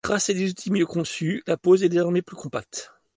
Grâce à des outils mieux conçus, la pose est désormais plus compacte.